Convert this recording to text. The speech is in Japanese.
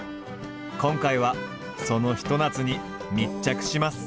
今回はそのひと夏に密着します。